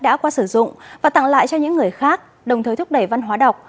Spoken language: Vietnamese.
đã qua sử dụng và tặng lại cho những người khác đồng thời thúc đẩy văn hóa đọc